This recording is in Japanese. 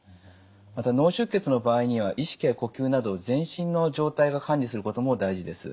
また脳出血の場合には意識や呼吸など全身の状態を管理することも大事です。